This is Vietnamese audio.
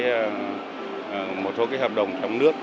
và một số hợp đồng trong nước